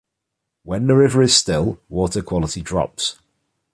When the river is still, water quality drops.